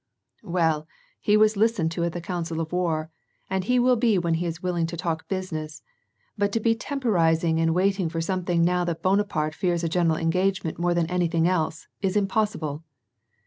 " Well, he was listened to at the council of war, and he will be when he is willing to talk business, but to be temporizing and waiting for something now that Bonaparte fears a general engagement more than anything else, is impossible."